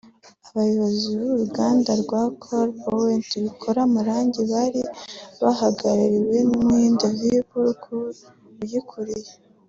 Abayobozi b’uruganda rwa Crown Paint rukora amarangi bari bahagarariwe n’Umuhinde Vipul Kapul uyikuriye